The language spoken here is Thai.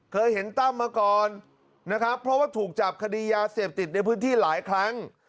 เคยเห็นตั้มมาก่อนนะครับเพราะว่าถูกจับคดียาเสพติดในพื้นที่หลายครั้ง